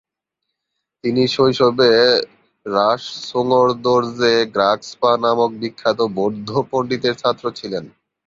তিনি শৈশবে রাস-ছুং-র্দো-র্জে-গ্রাগ্স-পা নামক বিখ্যাত বৌদ্ধ পণ্ডিতের ছাত্র ছিলেন।